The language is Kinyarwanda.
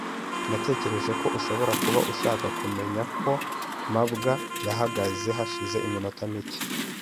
Natekereje ko ushobora kuba ushaka kumenya ko mabwa yahageze hashize iminota mike.